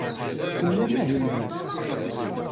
Kemmel amahil-nnem.